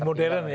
jadi modern ya